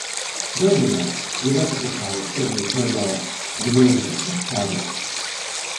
During the night, the electrical power suddenly turned off and the radios went silent.